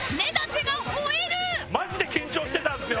マジで緊張してたんですよ。